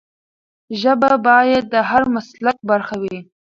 ژبه باید د هر مسلک برخه وي.